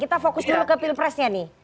kita fokus dulu ke pilpresnya nih